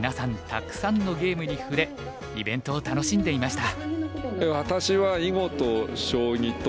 たくさんのゲームに触れイベントを楽しんでいました。